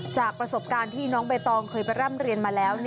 จากประสบการณ์ที่น้องใบตองเคยไปร่ำเรียนมาแล้ว